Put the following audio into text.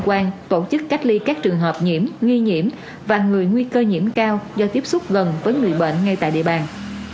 phối hợp với các đơn vị liên quan tổ chức cách ly các trường hợp nhiễm nghi nhiễm và người nguy cơ nhiễm cao do tiếp xúc gần với người bệnh ngay tại địa bàn